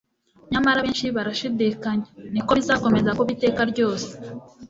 Nyamara benshi barashidikanyaga. Niko bizakomeza kuba iteka ryose.